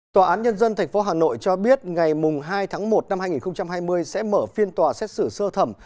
tòa án nhân dân tp hà nội cho biết ngày hai tháng một năm hai nghìn hai mươi sẽ mở phiên tòa xét xử sơ thẩm